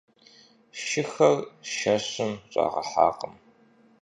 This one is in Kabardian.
Шыхэр шэщым щӀагъэхьакъым.